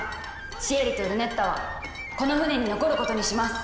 シエリとルネッタはこの船に残ることにします」。